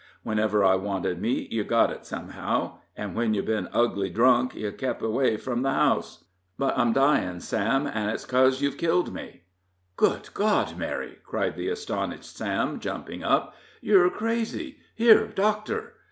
Whenever I wanted meat yev got it, somehow; an' when yev been ugly drunk, yev kep' away from the house. But I'm dyin', Sam, and it's cos you've killed me." "Good God, Mary!" cried the astonished Sam, jumping up; "yure crazy here, doctor!"